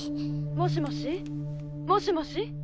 ☎もしもしもしもし？